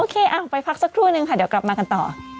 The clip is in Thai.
ไปพักสักครู่นึงค่ะเดี๋ยวกลับมากันต่อ